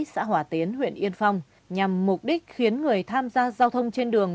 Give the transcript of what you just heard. xã hỏa tiến huyện yên phong nhằm mục đích khiến người tham gia giao thông trên đường